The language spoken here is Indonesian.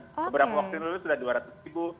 sebelumnya sudah dua ratus ribu